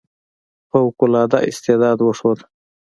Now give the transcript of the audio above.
فوق العاده استعداد وښود.